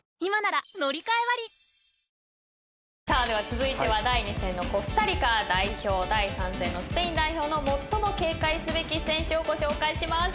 続いては第２戦のコスタリカ代表第３戦のスペイン代表の最も警戒すべき選手をご紹介します。